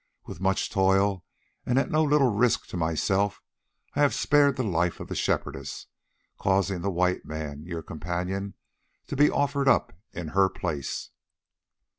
With much toil and at no little risk to myself I have spared the life of the Shepherdess, causing the white man, your companion, to be offered up in her place."